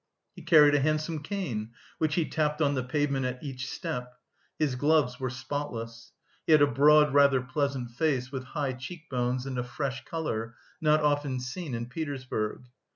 He carried a handsome cane, which he tapped on the pavement at each step; his gloves were spotless. He had a broad, rather pleasant face with high cheek bones and a fresh colour, not often seen in Petersburg.